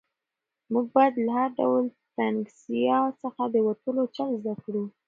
موږ باید له هر ډول تنګسیا څخه د وتلو چل زده کړو.